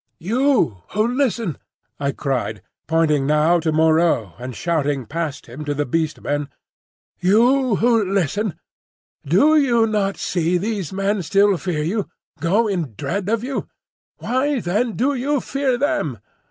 "You who listen," I cried, pointing now to Moreau and shouting past him to the Beast Men,—"You who listen! Do you not see these men still fear you, go in dread of you? Why, then, do you fear them?